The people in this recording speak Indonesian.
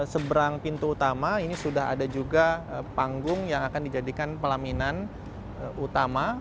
seberang pintu utama ini sudah ada juga panggung yang akan dijadikan pelaminan utama